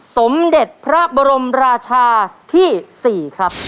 สมเด็จพระบรมราชาที่๔ครับ